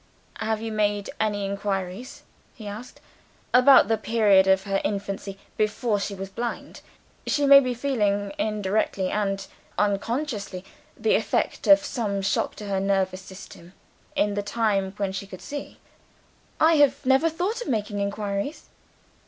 "Have you made any inquiries," he asked, "about the period of her infancy before she was blind? She may be still feeling, indirectly and unconsciously, the effect of some shock to her nervous system in the time when she could see." "I have never thought of making inquiries."